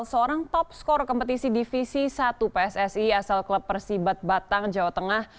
seorang top skor kompetisi divisi satu pssi asal klub persibat batang jawa tengah